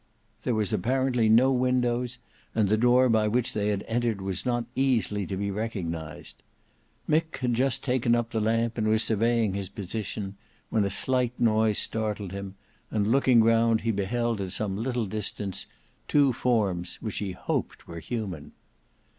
There was apparently no windows, and the door by which they had entered was not easily to be recognised. Mick had just taken up the lamp and was surveying his position, when a slight noise startled him, and looking round he beheld at some little distance two forms which he hoped were human.